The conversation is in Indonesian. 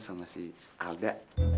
sama si alda